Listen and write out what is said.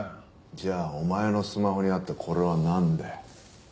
じゃあお前のスマホにあったこれはなんだよ？